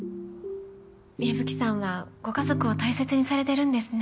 矢吹さんはご家族を大切にされてるんですね。